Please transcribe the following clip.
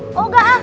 oh engga ah